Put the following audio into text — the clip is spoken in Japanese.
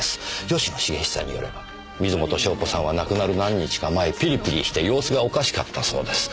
吉野茂久によれば水元湘子さんは亡くなる何日か前ピリピリして様子がおかしかったそうです。